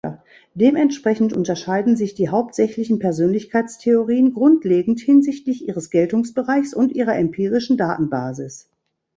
Dementsprechend unterscheiden sich die hauptsächlichen Persönlichkeitstheorien grundlegend hinsichtlich ihres Geltungsbereichs und ihrer empirischen Datenbasis.